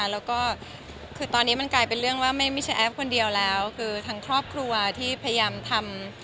แล้วก็คือตอนนี้มันกลายเป็นเรื่องว่าไม่ใช่แอฟคนเดียวแล้วคือทางครอบครัวที่พยายามทำ